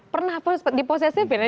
pernah diposesifin ya